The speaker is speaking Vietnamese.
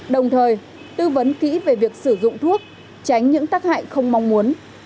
đồng thời tư vấn kỹ về việc sử dụng thuốc tránh những tác hại không mong muốn